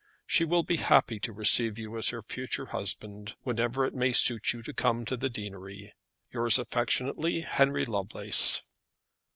She will be happy to receive you as her future husband, whenever it may suit you to come to the deanery. "Yours affectionately, "HENRY LOVELACE."